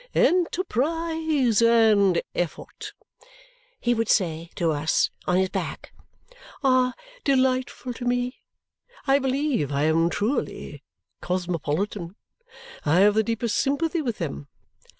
"Enterprise and effort," he would say to us (on his back), "are delightful to me. I believe I am truly cosmopolitan. I have the deepest sympathy with them.